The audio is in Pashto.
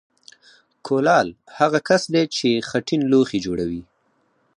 کولال هغه کس دی چې خټین لوښي جوړوي